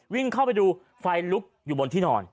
วิ่งเข้าไปดูไฟลุกอยู่บนที่นอน